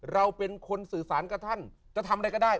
เราเป็นคนสื่อสารกับท่านจะทำอะไรก็ได้